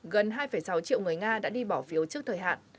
gần hai sáu triệu người nga đã đi bỏ phiếu trước thời hạn